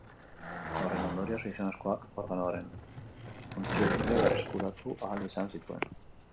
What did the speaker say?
Horren ondorioz, gizonezkoak organoaren funtzio guztiak berreskuratu ahal izan zituen.